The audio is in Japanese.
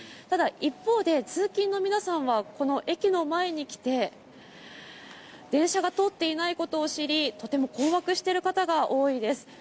ただ一方で通勤の皆さんはこの駅の前に来て電車が通っていないことを知り、とても困惑している方が多いです。